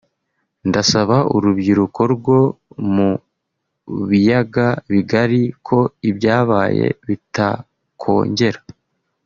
ndasaba urubyiruko rwo mu biyaga bigari ko ibyabaye bitakongera